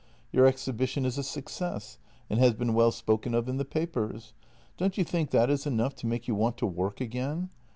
Your exhibition is a success, and has been well spoken of in the papers. Don't you think that is enough to make you want to work again?